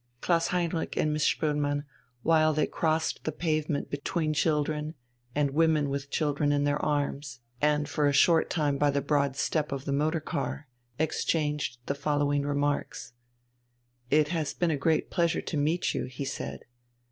Klaus Heinrich and Miss Spoelmann, while they crossed the pavement between children and women with children in their arms, and for a short time by the broad step of the motor car, exchanged the following remarks: "It has been a great pleasure to meet you," he said.